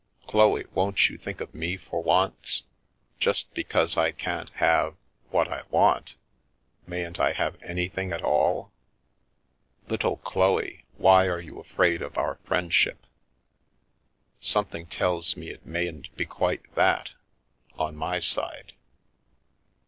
Chloe, won't you think of me for once? Just because I can't have — what I want, mayn't I have anything at all? Little Chloe, why are you afraid of our friendship? Something tells you it mayn't be quite that— on my side?